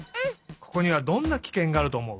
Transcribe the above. ここにはどんなきけんがあるとおもう？